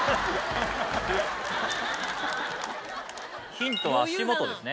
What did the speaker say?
ヒントは足元ですね。